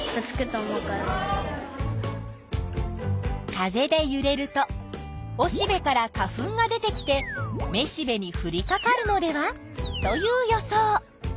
風でゆれるとおしべから花粉が出てきてめしべにふりかかるのではという予想。